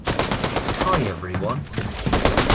Hi everyone.